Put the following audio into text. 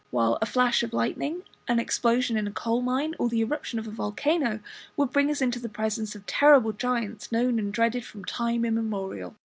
While "A Flash of Lightning," "An Explosion in a Coal mine," or "The Eruption of a Volcano," would bring us into the presence of terrible giants known and dreaded from time immemorial.